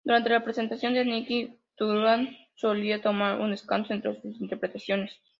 Durante las presentaciones de Nightwish, Turunen solía tomar un descanso entre sus interpretaciones.